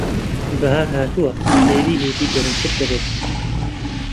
بەھار ھاتووە. ھێدی ھێدی گەرمتر دەبێت.